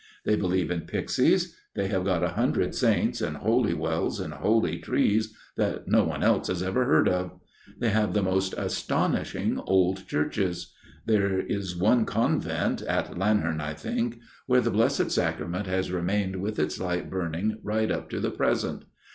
They believe in pixies ; they have got a hundred saints and holy wells and holy trees that no one else has ever heard of. They have the most astonishing old churches. There is one convent at Lanherne I think where the Blessed Sacrament has remained with its light burning right up to the present.